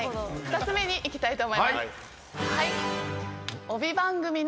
２つ目にいきたいと思います。